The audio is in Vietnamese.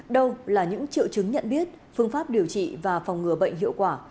đâu là những triệu chứng nhận biết phương pháp điều trị và phòng ngừa bệnh hiệu quả